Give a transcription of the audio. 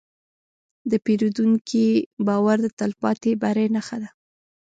د پیرودونکي باور د تلپاتې بری نښه ده.